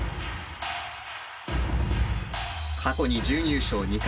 過去に準優勝２回。